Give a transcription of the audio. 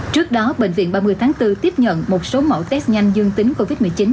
trước đó bệnh viện ba mươi tháng bốn tiếp nhận một số mẫu test nhanh dương tính covid một mươi chín